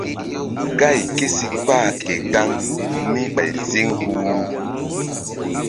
Gáy ké si kpah ke gaŋ mí ɓay ziŋ huhru.